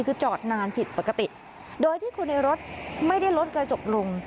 คือจอดนานผิดปกติโดยที่คนในรถไม่ได้ลดกระจกลง